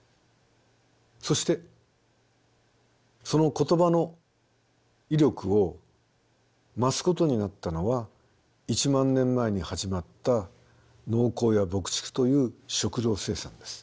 そしてその言葉の威力を増すことになったのは１万年前に始まった農耕や牧畜という食料生産です。